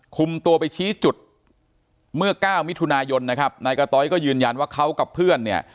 คุมตัวไปชี้จุดเมื่อเก้ามิถุนายนนะครับนายกะต้อยก็ยืนยันว่าเขากับเพื่อนเนี่ย